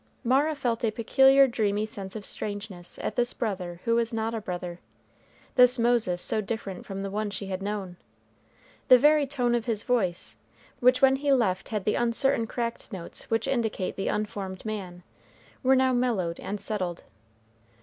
Mara felt a peculiar dreamy sense of strangeness at this brother who was not a brother, this Moses so different from the one she had known. The very tone of his voice, which when he left had the uncertain cracked notes which indicate the unformed man, were now mellowed and settled.